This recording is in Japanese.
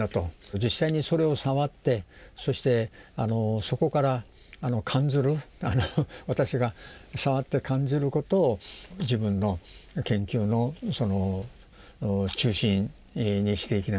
実際にそれを触ってそしてそこから感ずる私が触って感ずることを自分の研究の中心にしていきなさいと。